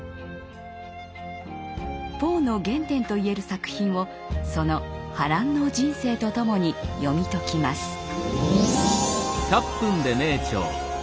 ポーの原点といえる作品をその波乱の人生とともに読み解きます。